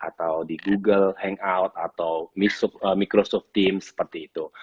atau di google hangout atau microsoft team seperti itu